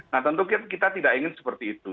nah tentu kita tidak ingin seperti itu